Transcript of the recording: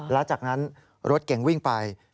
แล้วจากนั้นรถเก่งวิ่งไป